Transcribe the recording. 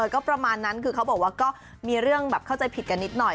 ก็ประมาณนั้นคือเขาบอกว่าก็มีเรื่องแบบเข้าใจผิดกันนิดหน่อย